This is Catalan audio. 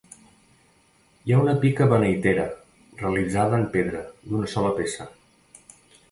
Hi ha una pica beneitera, realitzada en pedra, d'una sola peça.